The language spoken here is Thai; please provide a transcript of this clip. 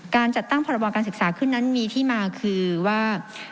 การจัดตั้งพรบการศึกษาขึ้นนั้นมีที่มาคือว่า